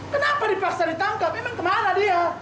kenapa dipaksa ditangkap memang kemana dia